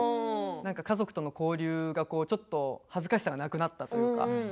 家族との交流がちょっと恥ずかしさがなくなったというか。